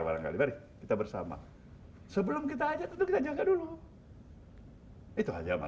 barangkali kita bersama